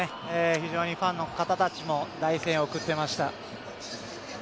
非常にファンの方たちも大声援を送っていました。